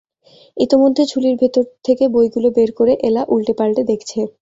ইতিমধ্যে ঝুলির ভিতর থেকে বইগুলো বের করে এলা উলটেপালটে দেখছে।